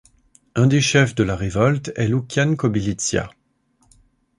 Un des chefs de la révolte est Loukian Kobylytsia.